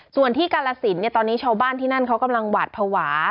ส่วนที่กาลสินตอนนี้ชาวบ้านที่นั่นเขากำลังหวาดภาวะ